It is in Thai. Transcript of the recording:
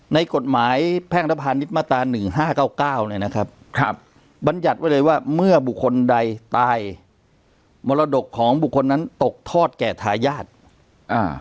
ในกฎหมายแพทยภาณิศมาตรา๑๕๙๙เนี่ยนะครับครับบัญญัติไว้เลยว่าเมื่อบุคคลใดตายมรดกของบุคคลนั้นตกทอดแก่ทายาทอ่า